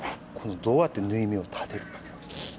どうやって縫い目を立てるかとか。